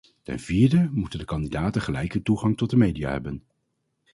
Ten vierde moeten de kandidaten gelijke toegang tot de media hebben.